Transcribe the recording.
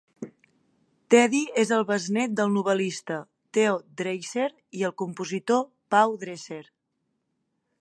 Tedi és el besnét del novel·lista Teo Dreiser i el compositor Pau Dresser.